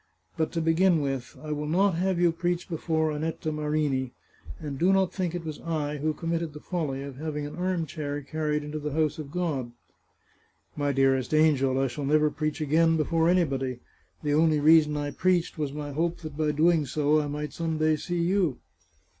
But to begin with, I will not have you preach before Annetta Marini ; and do not think it was I who committed the folly of having an arm chair carried into the house of God." " My dearest angel ! I shall never preach again before anybody. The only reason I preached was my hope that by so doing I might some day see you."